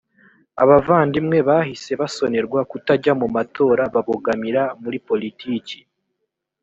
abavandimwe bahise basonerwa kutajya mu matora babogamira muri politiki